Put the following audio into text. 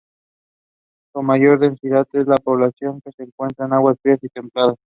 Su mayor densidad de población se encuentra en aguas frías y templadas.